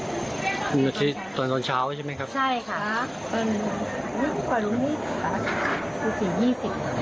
ตอนที่บำเต็มสวดน้องอยู่อะค่ะมันก็บอกว่าของเล่นนี้เดี๋ยวหนูจะพาไปบริจาคโรงเรียน